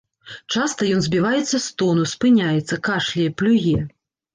Часта ён збіваецца з тону, спыняецца, кашляе, плюе.